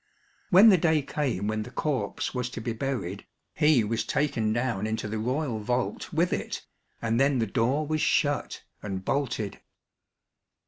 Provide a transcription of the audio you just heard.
When the day came when the corpse was to be buried, he was taken down into the royal vault with it and then the door was shut and bolted.